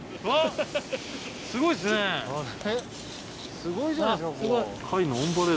すごいじゃないですかここ。